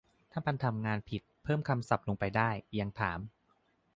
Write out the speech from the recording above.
ถ้ามันทำงานผิด เพิ่มคำศัพท์ลงไปได้ ยังถาม